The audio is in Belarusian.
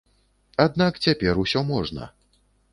Аднак цяпер усё можна.